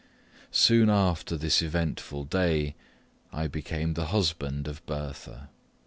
Soon after this eventful day, I became the husband of Bertha.